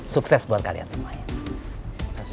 sukses buat kalian semuanya